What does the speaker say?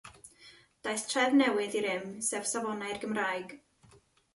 Daeth trefn newydd i rym, sef Safonau'r Gymraeg.